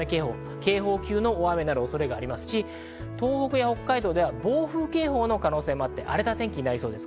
警報級の大雨になる恐れがありますし、東北や北海道では暴風警報の可能性もあって荒れた天気になりそうです。